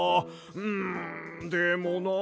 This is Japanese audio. んでもなあ